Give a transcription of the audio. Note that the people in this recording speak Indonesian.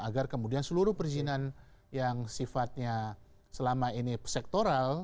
agar kemudian seluruh perizinan yang sifatnya selama ini sektoral